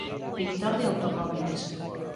Pintor de automóbiles.